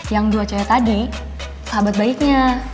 yang dua cewek tadi sahabat baiknya